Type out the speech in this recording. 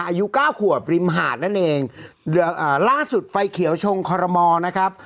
อายุเก้าขวบริมหาดนั่นเองอ่าล่าสุดไฟเขียวชงคอรมอลนะครับ